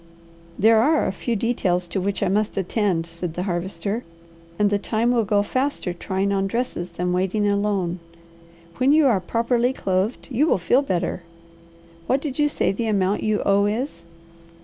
"There are a few details to which I must attend," said the Harvester, "and the time will go faster trying on dresses than waiting alone. When you are properly clothed you will feel better. What did you say the amount you owe is?"